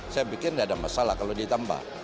saya pikir tidak ada masalah kalau ditambah